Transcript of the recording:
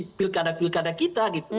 di pilkada pilkada kita